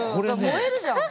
燃えるじゃん。